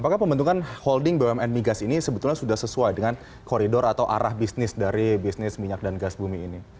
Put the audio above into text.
apakah pembentukan holding bumn migas ini sebetulnya sudah sesuai dengan koridor atau arah bisnis dari bisnis minyak dan gas bumi ini